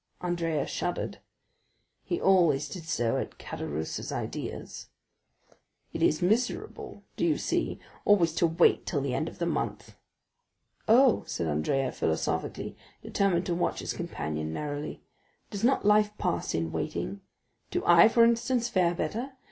Andrea shuddered; he always did so at Caderousse's ideas. "It is miserable—do you see?—always to wait till the end of the month." "Oh," said Andrea philosophically, determined to watch his companion narrowly, "does not life pass in waiting? Do I, for instance, fare better?